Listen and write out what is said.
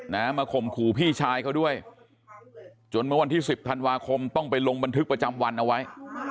มาข่มขู่พี่ชายเขาด้วยจนเมื่อวันที่สิบธันวาคมต้องไปลงบันทึกประจำวันเอาไว้